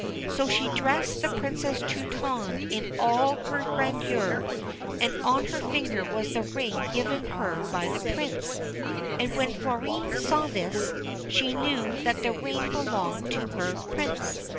So she dressed the Princess Truitonne in all her grandeur, and on her finger was the ring given her by the Prince ; and, when Florine saw this, she knew that the ring belonged to her Prince.